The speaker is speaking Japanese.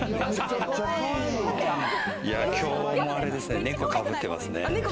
今日はあれですね、猫かぶってますね。